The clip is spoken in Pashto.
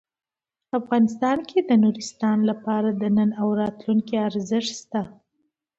افغانستان کې د نورستان لپاره د نن او راتلونکي ارزښت شته.